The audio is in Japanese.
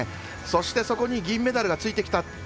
そして、そこに銀メダルがついてきた。